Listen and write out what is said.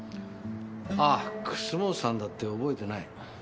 あぁ楠本さんだって覚えてない。